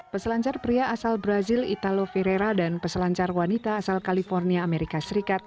peselancar pria asal brazil italo verera dan peselancar wanita asal california amerika serikat